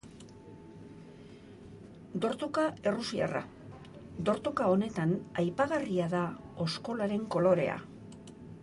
Dortoka errusiarra: dortoka honetan aipagarria da oskolaren kolorea.